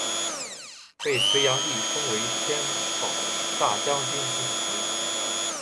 被隋炀帝封为天保大将军之职。